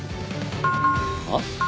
あっ。